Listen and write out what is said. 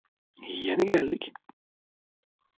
Yeni geldik.